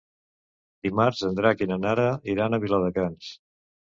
Dimarts en Drac i na Nara iran a Viladecans.